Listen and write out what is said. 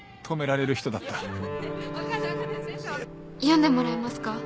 読んでもらえますか？